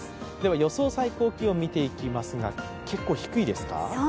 予想最高気温、見ていきますが結構低いですか？